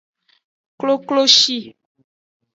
Kokloshi.